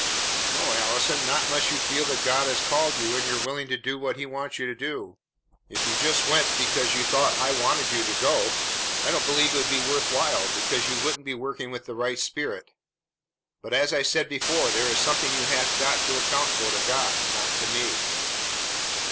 "No, Allison, not unless you feel that God has called you and you are willing to do what He wants you to. If you just went because you thought I wanted you to go, I don't believe it would be worth while, because you wouldn't be working with the right spirit. But, as I said before, that is something you have got to account for to God, not to me."